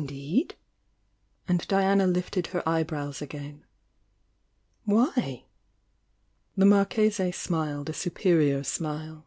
"^^' ancl Diana lifted her eyebrows again. The Marchese smiled a superior smile.